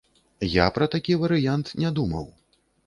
Я пра такі варыянт не думаў.